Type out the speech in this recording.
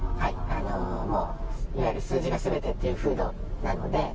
もういわゆる数字がすべてっていう風土なので。